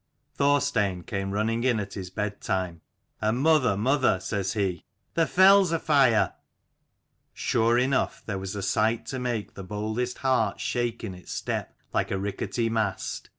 Thorstein came running in at his bed Itime, and " Mother, mother," says he, " the fell's afire !" Sure enough there was a sight to make the boldest heart shake in its step like a ricketty mast.